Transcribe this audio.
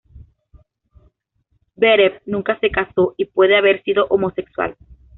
Zverev nunca se casó, y puede haber sido homosexual.